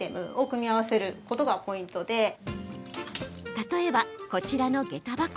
例えば、こちらのげた箱。